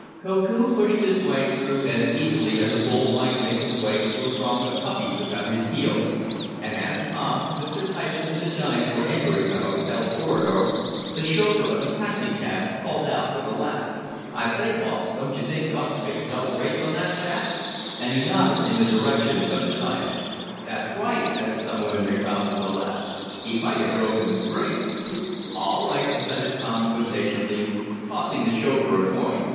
Koku pushed his way through as easily as a bull might make his way through a throng of puppies about his heels, and as Tom, Mr. Titus and the giant were entering the hotel corridor, the chauffeur of the taxicab called out with a laugh: "I say, boss, don't you think you ought to pay double rates on that chap," and he nodded in the direction of the giant. "That's right!" added some one in the crowd with a laugh. "He might have broken the springs." "All right," assented Tom, good naturedly, tossing the chauffeur a coin.